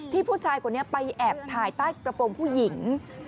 ผู้ชายคนนี้ไปแอบถ่ายใต้กระโปรงผู้หญิง